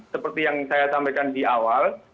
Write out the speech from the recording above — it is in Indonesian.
seperti yang saya sampaikan di awal